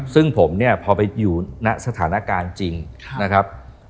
ซึ่งผมเนี่ยพอไปอยู่ณสถานการณ์จริงนะครับ